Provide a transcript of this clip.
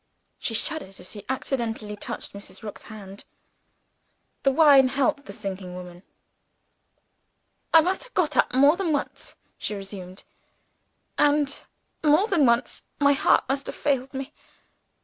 She shuddered as she accidentally touched Mrs. Rook's hand. The wine helped the sinking woman. "I must have got up more than once," she resumed. "And more than once my heart must have failed me.